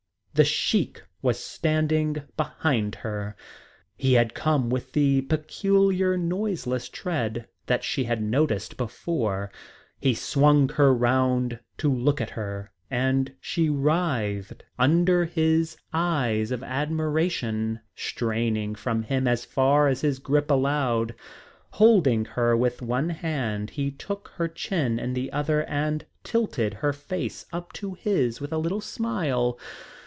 The Sheik was standing behind her. He had come with the peculiar noiseless tread that she had noticed before. He swung her round to look at her and she writhed under his eyes of admiration, straining from him as far as his grip allowed. Holding her with one hand he took her chin in the other and tilted her face up to his with a little smile.